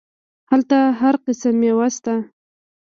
هلته هر قسم ميوه سته.